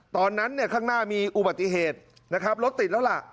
ตอนนั้นเนี่ยข้างหน้ามีอุบัติเหตุนะครับรถติดแล้วล่ะ